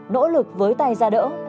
nỗ lực với tay ra đỡ